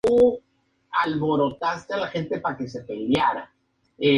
El uso en el embarazo o la lactancia parece ser generalmente seguro.